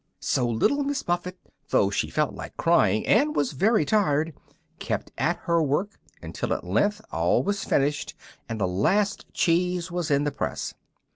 So Little Miss Muffet, though she felt like crying and was very tired, kept at her work until at length all was finished and the last cheese was in the press.